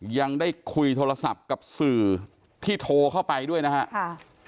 ยังได้คุยโทรศัพท์กับสื่อที่โทรเข้าไปด้วยนะครับ